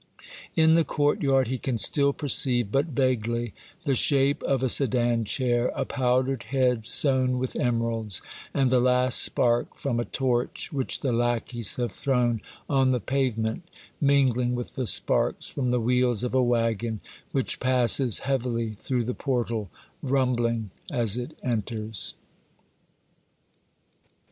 In the courtyard he can still perceive, but vaguely, the shape of a sedan chair, a powdered head sown with emeralds, and the last spark from a torch which the lackeys have thrown on the pave ment, mingling with the sparks from the wheels of a wagon which passes heavily through the portal, rumbling as it enters.